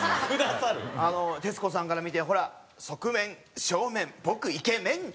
あの徹子さんから見てほら側面正面僕イケメン！！